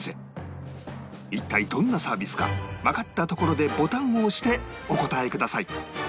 一体どんなサービスかわかったところでボタンを押してお答えください